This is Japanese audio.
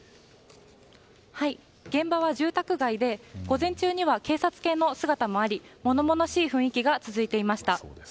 現場は住宅街で午前中には警察犬の姿もあり物々しい雰囲気が続いていました。